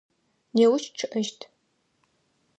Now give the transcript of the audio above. Неущ чъыӏэщт.